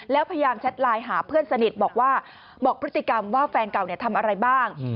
แล้วพยายามแชทไลน์หาเพื่อนสนิทบอกว่าบอกพฤติกรรมว่าแฟนเก่าทำอะไรบ้าง